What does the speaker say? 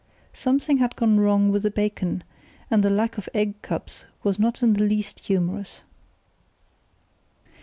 Something had gone wrong with the bacon, and the lack of egg cups was not in the least humorous.